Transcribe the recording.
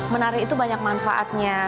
menari itu banyak manfaatnya